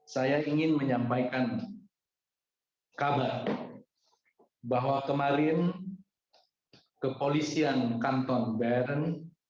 saya ingin menyampaikan kabar bahwa kemarin kepolisian kantor bern